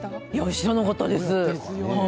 知らなかったです。